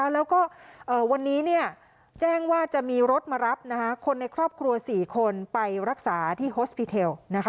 แล้วก็วันนี้แจ้งว่าจะมีรถมารับคนในครอบครัว๔คนไปรักษาที่โฮสปีเทล